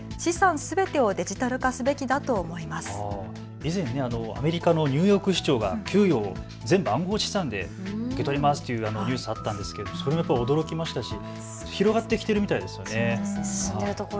以前アメリカのニューヨーク市長が給与を全部、暗号資産で受け取りますというニュースあったんですけど、それもやっぱり驚きましたし広がってきているみたいですね。